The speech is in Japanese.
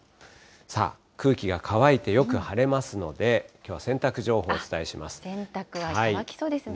さあ、空気が乾いてよく晴れますので、きょうは洗濯情報をお伝え洗濯は乾きそうですね。